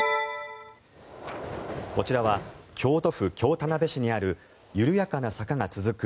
こちらは京都府京田辺市にある緩やかな坂が続く